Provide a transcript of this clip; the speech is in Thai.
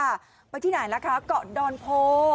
ไปที่ไหนล่ะคะเกาะดอนโพ